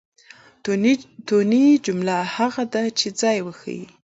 توني؛ جمله هغه ده، چي ځای وښیي.